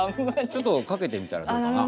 ちょっとかけてみたらどうかな。